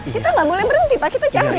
kita nggak boleh berhenti pak kita cari